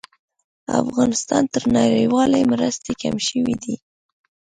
افغانستان ته نړيوالې مرستې کمې شوې دي